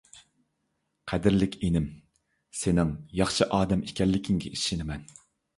قەدىرلىك ئىنىم، سېنىڭ ياخشى ئادەم ئىكەنلىكىڭگە ئىشىنىمەن.